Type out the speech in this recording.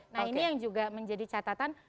nah ini yang juga menjadi catatan